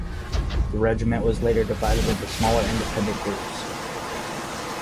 The regiment was later divided into smaller independent groups.